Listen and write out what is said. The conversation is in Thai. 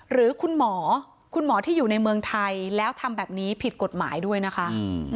หรือคุณหมอคุณหมอที่อยู่ในเมืองไทยแล้วทำแบบนี้ผิดกฎหมายด้วยนะคะ